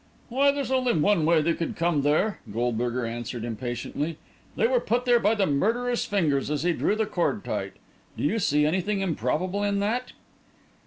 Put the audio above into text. "Why, there's only one way they could come there," Goldberger answered impatiently. "They were put there by the murderer's fingers as he drew the cord tight. Do you see anything improbable in that?"